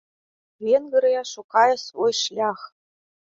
Венгрыя шукае свой шлях.